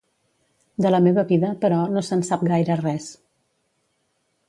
De la meva vida, però, no se'n sap gaire res.